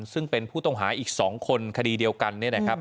ซึ่งเป็นผู้ต้องหาอีก๒คนคดีเดียวกัน